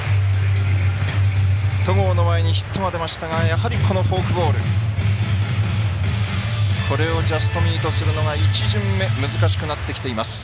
戸郷の前にヒットが出ましたがやはりこのフォークボールこれをジャストミートするのが１巡目難しくなってきています。